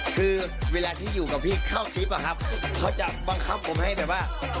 คือเวลาที่อยู่กับพี่เข้าคลิปอะครับเขาจะบังคับผมให้แบบว่า